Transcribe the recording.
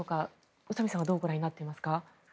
宇佐美さんはどうご覧になっていますか？